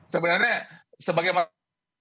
sebenarnya sebagai pak gibran tadi sudah menurut saya